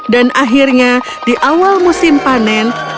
dan akhirnya di awal musim panen